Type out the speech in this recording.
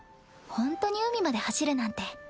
ほんとに海まで走るなんて。